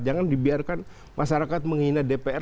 jangan dibiarkan masyarakat menghina dpr